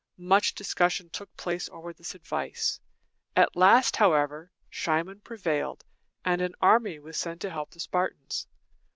Much discussion took place over this advice. At last, however, Cimon prevailed, and an army was sent to help the Spartans.